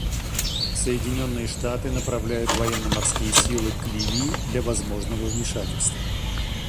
Соединенные Штаты направляют военно-морские силы к Ливии для возможного вмешательства».